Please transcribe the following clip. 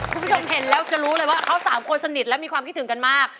คุณผู้ชมเห็นแล้วจะรู้เลยว่าเขาสามคนสนิทและมีความคิดถึงกันมาก